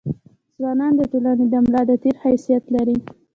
ځوانان د ټولني د ملا د تیر حيثيت لري.